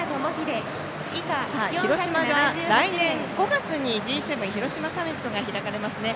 広島が来年５月にＧ７広島サミットが開かれますね。